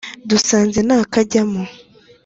dusanze nta kajyamo